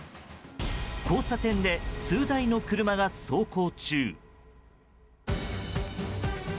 交差点で数台の車が走行中。